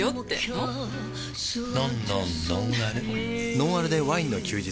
「ノンアルでワインの休日」